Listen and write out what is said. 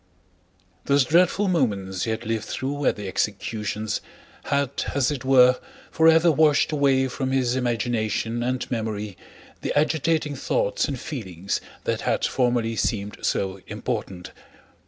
Those dreadful moments he had lived through at the executions had as it were forever washed away from his imagination and memory the agitating thoughts and feelings that had formerly seemed so important.